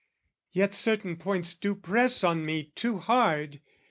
Yet certain points do press on me too hard.